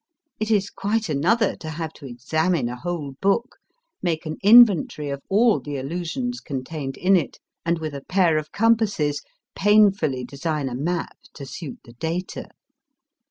It is quite another to have to examine a whole book, make an inventory of all the allusions contained in it, and with a pair of compasses, painfully design a map to suit the data.